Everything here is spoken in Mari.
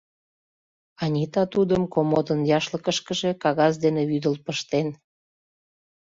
Анита тудым комодын яшлыкышкыже кагаз дене вӱдыл пыштен.